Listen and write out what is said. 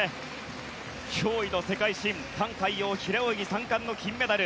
驚異の世界新タン・カイヨウ平泳ぎ３冠の金メダル。